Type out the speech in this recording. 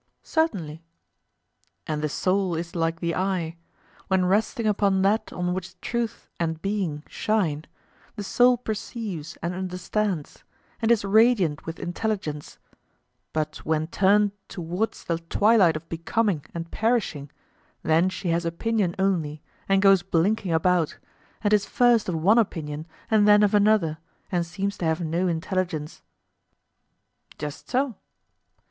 Certainly. And the soul is like the eye: when resting upon that on which truth and being shine, the soul perceives and understands, and is radiant with intelligence; but when turned towards the twilight of becoming and perishing, then she has opinion only, and goes blinking about, and is first of one opinion and then of another, and seems to have no intelligence? Just so.